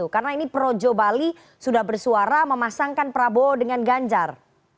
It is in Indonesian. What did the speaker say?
karena ini projo bali sudah bersuara memasangkan prabowo dengan ganjar